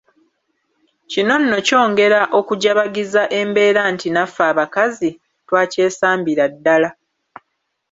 Kino nno kyongera okujabagiza embeera anti naffe abakazi, twakyesambira ddala.